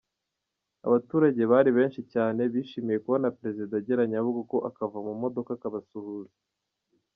Abaturage bari benshi cyane, bishimiye kubona Perezida agera Nyabugogo akava mu modoka akabasuhuza.